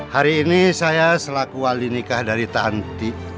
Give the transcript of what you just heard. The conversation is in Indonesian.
hari ini saya selaku wali nikah dari tanti